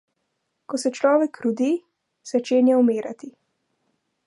Ko se človek rodi, začenja umirati.